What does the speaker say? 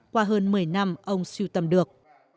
qua hơn một mươi năm ông siêu tầm được